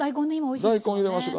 大根入れましょか。